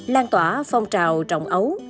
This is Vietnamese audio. lan tỏa phong trào trồng ấu